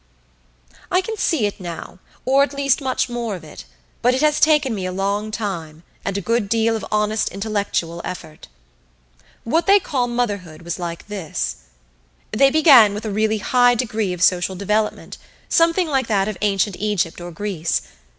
I can see it now, or at least much more of it, but it has taken me a long time, and a good deal of honest intellectual effort. What they call Motherhood was like this: They began with a really high degree of social development, something like that of Ancient Egypt or Greece.